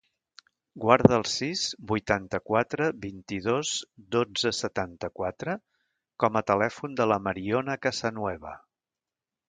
Guarda el sis, vuitanta-quatre, vint-i-dos, dotze, setanta-quatre com a telèfon de la Mariona Casanueva.